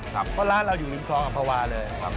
เพราะร้านเราอยู่ริมครองอัมภาวะเลย